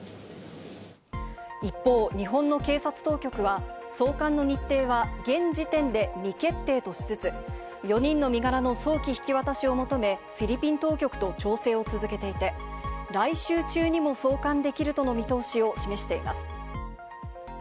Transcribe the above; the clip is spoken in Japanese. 一方、日本の警察当局は送還の日程は現時点で未決定としつつ、４人の身柄の早期引き渡しを求め、フィリピン当局と調整を続けていて、来週中にも送還できるとの見通しを示しています。